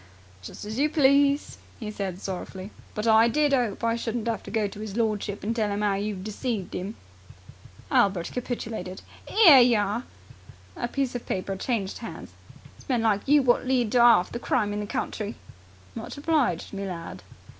"Just as you please," he said sorrowfully. "But I did 'ope I shouldn't 'ave to go to 'is lordship and tell 'im 'ow you've deceived him." Albert capitulated. "'Ere yer are!" A piece of paper changed hands. "It's men like you wot lead to 'arf the crime in the country!" "Much obliged, me lad."